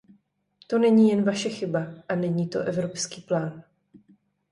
To není jen vaše chyba a není to evropský plán.